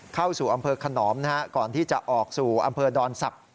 เข้าสู่อำเภอขนอมนะฮะก่อนที่จะออกสู่อำเภอดอนศักดิ